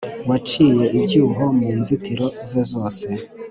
waciye ibyuho mu nzitiro ze zose